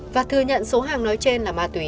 và thừa nhận số hàng nói trên